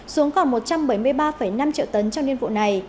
xuống còn một trăm bảy mươi ba năm triệu tấn trong nhiên vụ này